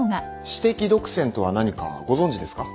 私的独占とは何かご存じですか？